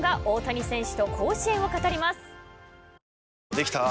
できたぁ。